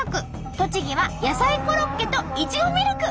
栃木は野菜コロッケといちごミルク。